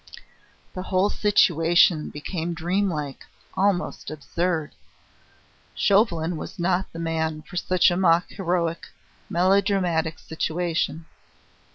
The whole situation became dreamlike, almost absurd. Chauvelin was not the man for such a mock heroic, melodramatic situation.